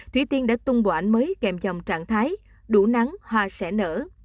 thủy tiên đã tung quạ ảnh mới kèm dòng trạng thái đủ nắng hoa sẽ nở